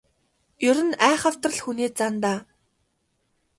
Ер нь айхавтар л хүний зан даа.